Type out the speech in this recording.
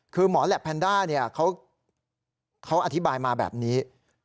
คือหมอแหลปแพนด้าเขาอธิบายมาแบบนี้